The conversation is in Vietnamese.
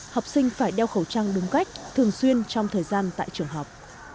học sinh phải đeo khẩu trang đúng cách thường xuyên trong thời gian tại trường học